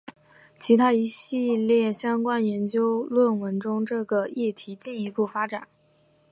在他一系列相关研究论文中这个议题进一步发展。